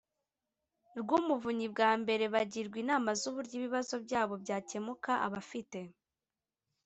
Rw Umuvunyi Bwa Mbere Bagirwa Inama Z Uburyo Ibibazo Byabo Byakemuka Abafite